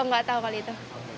oh nggak tau kali itu